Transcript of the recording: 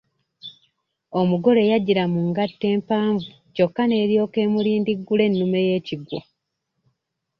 Omugole yajjira mu ngatto empavu kyokka n'eryoka emulindiggula ennume y'ekigwo.